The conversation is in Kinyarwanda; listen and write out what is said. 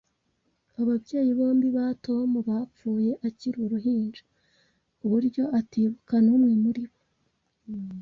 Ababyeyi bombi ba Tom bapfuye akiri uruhinja, ku buryo atibuka n'umwe muri bo